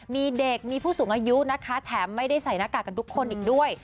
มีเด็กมีผู้สูงอายุนะคะแถมไม่ได้ใส่หน้ากากกันทุกคนอีกด้วย